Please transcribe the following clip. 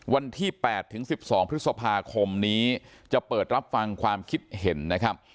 วันที่๘ถึง๑๒พฤษภาคมนี้จะเปิดรับฟังความคิดเห็นนะครับ